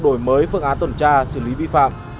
đổi mới phương án tuần tra xử lý vi phạm